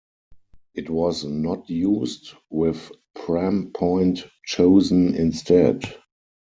It was not used, with Pram Point chosen instead.